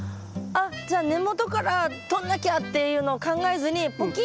あっじゃあ根元からとんなきゃっていうのを考えずにポキンって。